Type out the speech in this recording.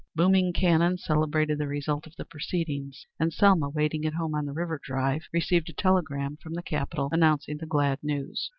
Booming cannon celebrated the result of the proceedings, and Selma, waiting at home on the River Drive, received a telegram from the capital announcing the glad news.